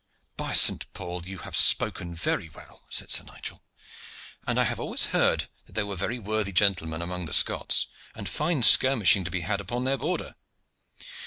"By Saint Paul! you have spoken very well," said Sir Nigel, "and I have always heard that there were very worthy gentlemen among the Scots, and fine skirmishing to be had upon their border.